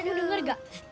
aduh dengar gak